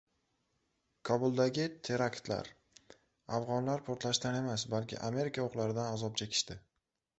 Kobuldagi teraktlar: afg‘onlar portlashdan emas, balki Amerika o‘qlaridan azob chekishdi